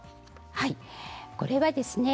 はい、これはですね